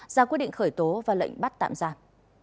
ra quyết định khởi tố và lệnh bắt tạm giam